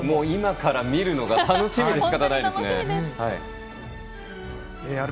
今から見るのが楽しみでしかたがないですね。